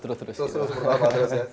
terus terus berapa terus ya